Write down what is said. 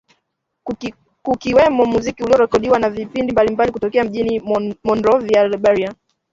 Kukiwemo muziki uliorekodiwa na vipindi mbalimbali kutokea mjini Monrovia, Liberia